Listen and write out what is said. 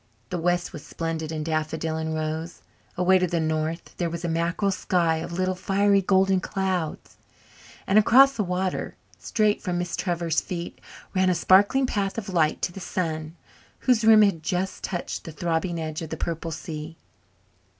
The west was splendid in daffodil and rose; away to the north there was a mackerel sky of little fiery golden clouds; and across the water straight from Miss Trevor's feet ran a sparkling path of light to the sun, whose rim had just touched the throbbing edge of the purple sea.